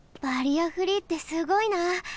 バリアフリーってすごいな。